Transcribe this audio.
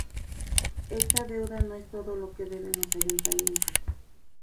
Esta deuda no es todo lo que deben los ayuntamientos.